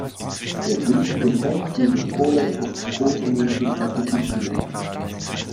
Der griechische Text dieses Kodex ist zu kurz, um ihn zu klassifizieren.